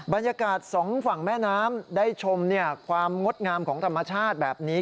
บรรยากาศสองฝั่งแม่น้ำได้ชมความงดงามของธรรมชาติแบบนี้